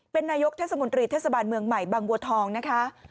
เป็นนายกเทศมนตรีเทศบาลเมืองใหม่บางบัวทองนะคะ